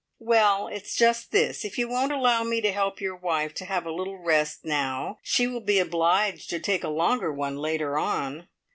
"Well, it's just this; if you won't allow me to help your wife to have a little rest now, she will be obliged to take a longer one later on!